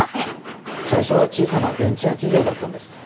最初は小さなベンチャー企業だったんです。